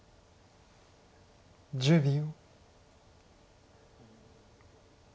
１０秒。